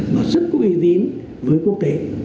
nó rất có uy tín với quốc tế